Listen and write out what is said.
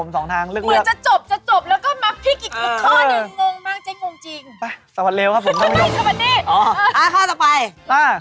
สองทางครับผม